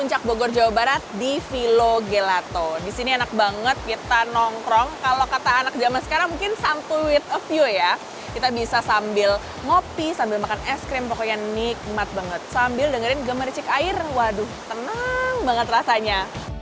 sambil dengerin gemericik air waduh tenang banget rasanya